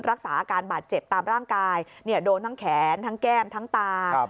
รักษาอาการบาดเจ็บตามร่างกายโดนทั้งแขนทั้งแก้มทั้งตา